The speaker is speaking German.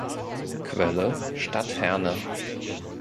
Quelle: Stadt Herne